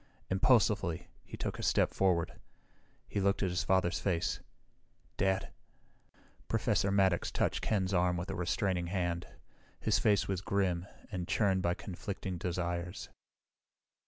Impulsively, he took a step forward. He looked at his father's face. "Dad..." Professor Maddox touched Ken's arm with a restraining hand. His face was grim and churned by conflicting desires.